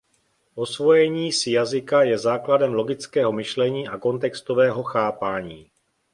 Osvojení si jazyka je základem logického myšlení a kontextového chápání.